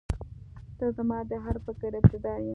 • ته زما د هر فکر ابتدا یې.